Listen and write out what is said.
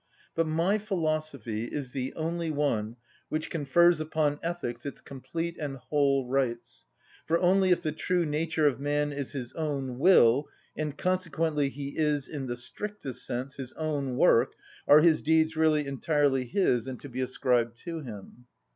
But my philosophy is the only one which confers upon ethics its complete and whole rights; for only if the true nature of man is his own will, and consequently he is, in the strictest sense, his own work, are his deeds really entirely his and to be ascribed to him.